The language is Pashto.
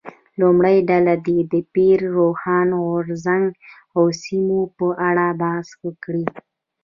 لومړۍ ډله دې د پیر روښان غورځنګ او سیمو په اړه بحث وکړي.